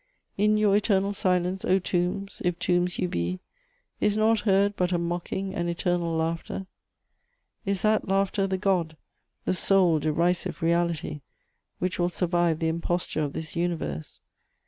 In your eternal silence, O tombs, if tombs you be, is nought heard but a mocking and eternal laughter? Is that laughter the God, the sole derisive reality, which will survive the imposture of this universe?